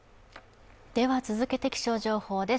続けて気象情報です。